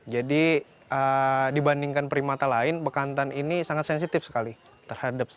jadi dibandingkan primata lain bekantan ini sangat sensitif sekali terhadap stres